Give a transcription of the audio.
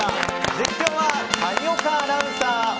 実況は谷岡アナウンサー。